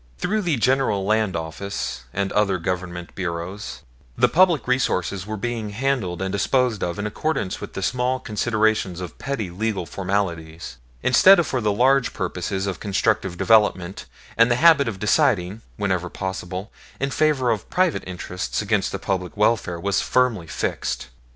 Through the General Land Office and other Government bureaus, the public resources were being handled and disposed of in accordance with the small considerations of petty legal formalities, instead of for the large purposes of constructive development, and the habit of deciding, whenever possible, in favor of private interests against the public welfare was firmly fixed.